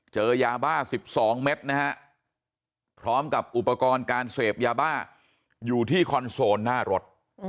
เจอยาบ้า๑๒เมตรนะฮะพร้อมกับอุปกรณ์การเสพยาบ้าอยู่ที่คอนโซลหน้ารถ